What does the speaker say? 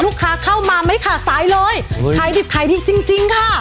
ลูกค้าเข้ามาไหมค่ะซ้ายเลยเฮ้ยขายดิบขายดีจริงจริงค่ะ